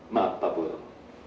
maaf pak purwok